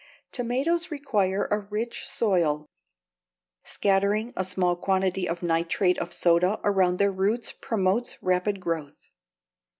Tomatoes require a rich soil. Scattering a small quantity of nitrate of soda around their roots promotes rapid growth.